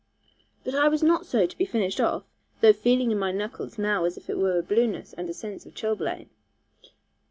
But I was not so to be finished off, though feeling in my knuckles now as if it were a blueness and a sense of chilblain.